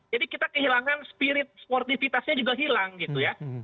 jadi kita kehilangan spirit sportifitasnya juga hilang gitu ya